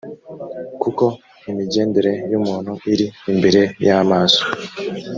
kuko imigendere y umuntu iri imbere y amaso